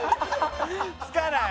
つかない。